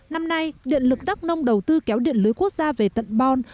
năm nay điện lực đắk nông đầu tư kéo điện lưới quốc gia về tận bon